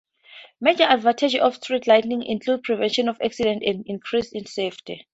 Major advantages of street lighting include prevention of accidents and increase in safety.